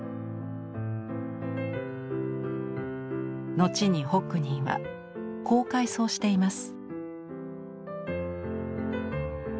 後にホックニーはこう回想しています。